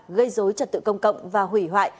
gây dối trật tự công cộng và hủy hoại